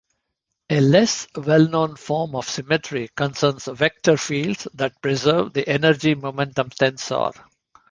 A less well-known form of symmetry concerns vector fields that preserve the energy-momentum tensor.